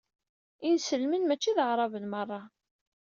Inselmen mačči d aɛṛaben meṛṛa.